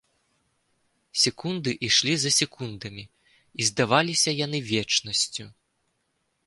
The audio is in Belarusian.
Секунды ішлі за секундамі і здаваліся яны вечнасцю.